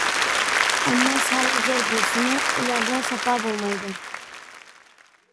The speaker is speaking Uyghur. ئەمما، سانى زور بولسىمۇ، ئۇلاردا ساپا بولمايدۇ.